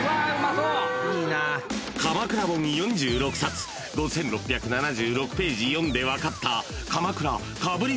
［鎌倉本４６冊５，６７６ページ読んで分かった鎌倉かぶり